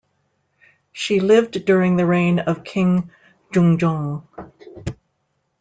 She lived during the reign of King Jungjong.